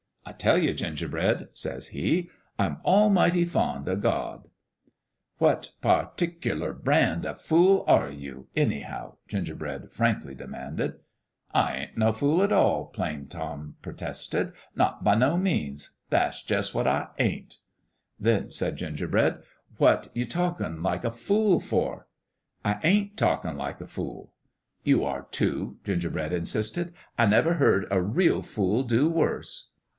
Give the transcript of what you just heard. I tell you, Gingerbread," says he, "I'm almighty fond o' God !"" What par tick a lar brand o' fool are you, anyhow ?" Gingerbread frankly demanded. " I ain't no fool, at all," Plain Tom Hitch pro tested. " Not by no means ! That's jus' what I ain't." " Then," said Gingerbread, " what you talkin' like a ioo\for? "" I ain't talkin' like a fool." "You are, too," Gingerbread insisted. "I never heard a real fool do worse."